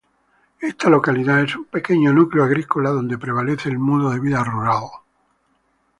Esta localidad es un pequeño núcleo agrícola, donde prevalece el modo de vida rural.